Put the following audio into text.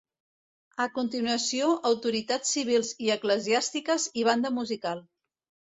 A continuació, autoritats civils i eclesiàstiques i banda musical.